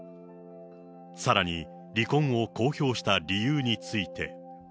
さらに、離婚を公表した理由について。